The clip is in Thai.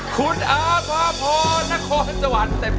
คุณอาพพอร์นครสวรรค์เต็มยนต์